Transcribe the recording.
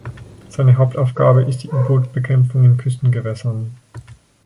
Seine Hauptaufgabe ist die U-Bootbekämpfung in Küstengewässern.